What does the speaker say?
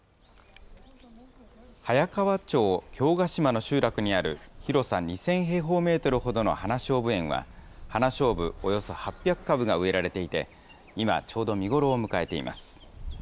早川町京ヶ島の集落にある広さ２０００平方メートルほどの花ショウブ園は、ハナショウブおよそ８００株が植えられていて、今、ちょうど見頃を迎えています。